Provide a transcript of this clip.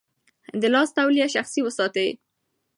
د لاس توليه شخصي وساتئ.